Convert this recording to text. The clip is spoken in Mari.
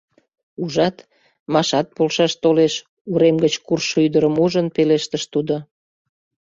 Ужат, Машат полшаш толеш, — урем гыч куржшо ӱдырым ужын, пелештыш тудо.